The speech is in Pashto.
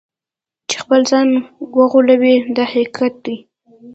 چې خپل ځان وغولوي دا حقیقت دی.